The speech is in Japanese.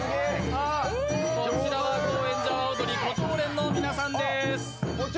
こちらは高円寺阿波おどり胡蝶蓮の皆さんです。